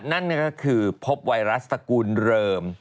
นั่นก็คือพบไวรัสตระกูลเริม